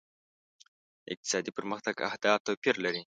د اقتصادي پرمختګ اهداف توپیر لري.